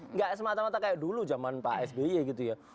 nggak semata mata kayak dulu zaman pak sby gitu ya